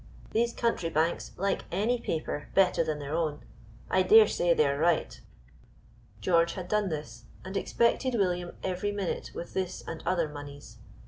These country banks like any paper better than their own. I dare say they are right." George had done this, and expected William every minute with this and other moneys.